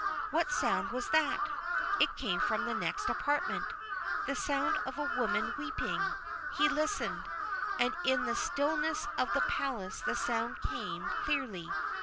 ' What sound was that ?' It came from the next apartment the sound of a woman weep ing. He listened, and in the stillness of the palace the sound came clearly.